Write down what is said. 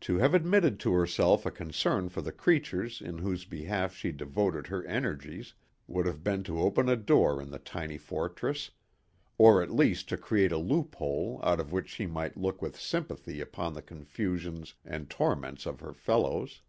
To have admitted to herself a concern for the creatures in whose behalf she devoted her energies would have been to open a door in the tiny fortress, or at least to create a loophole out of which she might look with sympathy upon the confusions and torments of her fellows.